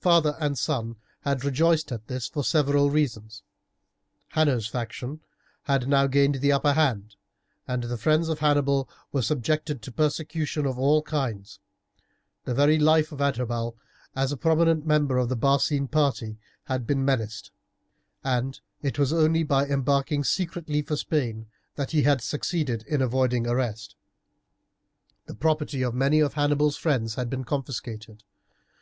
Father and son had rejoiced at this for several reasons. Hanno's faction had now gained the upper hand, and the friends of Hannibal were subjected to persecution of all kinds. The very life of Adherbal as a prominent member of the Barcine party had been menaced. And it was only by embarking secretly for Spain that he had succeeded in avoiding arrest. The property of many of Hannibal's friends had been confiscated.